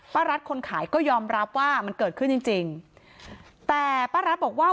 รัฐคนขายก็ยอมรับว่ามันเกิดขึ้นจริงจริงแต่ป้ารัฐบอกว่า